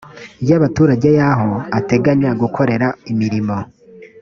y abaturage y aho ateganya gukorera imirimo